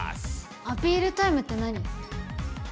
アピールタイムって何？